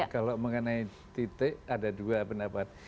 kalau mengenai titik ada dua pendapat